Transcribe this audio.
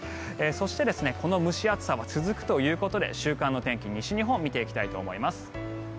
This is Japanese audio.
そしてこの蒸し暑さは続くということで週間の天気、西日本見ていきたいと思います。